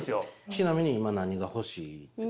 ちなみに今何が欲しい？